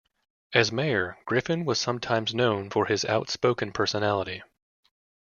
As Mayor, Griffin was sometimes known for his outspoken personality.